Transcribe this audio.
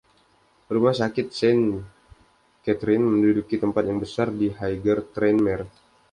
Rumah Sakit Saint Catherine menduduki tempat yang besar di Higher Tranmere.